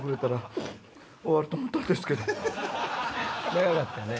長かったね。